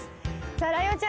ライオンちゃん